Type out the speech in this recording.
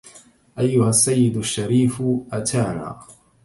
أيها السيد الشريف أتانا